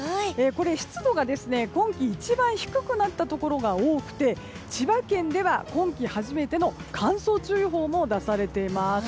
湿度が今季一番低くなったところが多くて千葉県では今季初めての乾燥注意報も出されています。